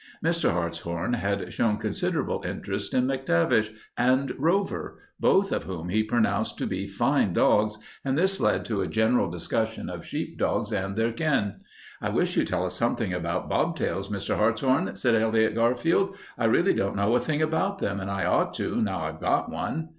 Mr. Hartshorn had shown considerable interest in MacTavish and Rover, both of whom he pronounced to be fine dogs, and this led to a general discussion of sheepdogs and their kin. "I wish you'd tell us something about bob tails, Mr. Hartshorn," said Elliot Garfield. "I really don't know a thing about them, and I ought to, now I've got one."